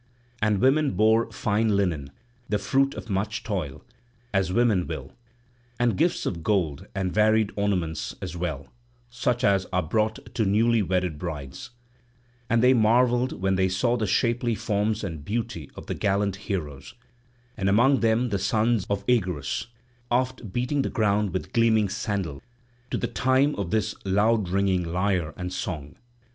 And women bore fine linen, the fruit of much toil, as women will, and gifts of gold and varied ornaments as well, such as are brought to newly wedded brides; and they marvelled when they saw the shapely forms and beauty of the gallant heroes, and among them the son of Oeagrus, oft beating the ground with gleaming sandal, to the time of his loud ringing lyre and song.